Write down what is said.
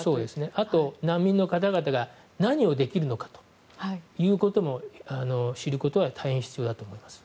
あと、難民の方々が何をできるのかということも知ることは大変、必要だと思います。